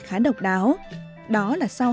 khá độc đáo đó là sau